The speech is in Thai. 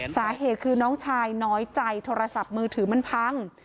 สาเหตุคือน้องชายน้อยใจโทรศัพท์มือถือมันพัง